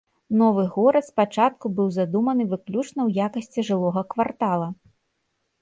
Новы горад спачатку быў задуманы выключна ў якасці жылога квартала.